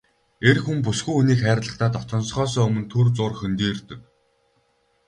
Эр хүн бүсгүй хүнийг хайрлахдаа дотносохоосоо өмнө түр зуур хөндийрдөг.